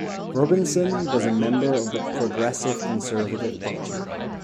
Robinson was a member of the Progressive Conservative Party.